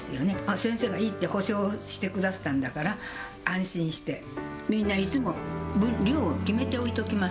先生がいいって保証してくだすったんだから、安心して、みんな、いつも量を決めて置いときます。